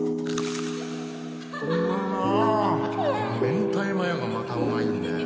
明太マヨがまたうまいんだよ。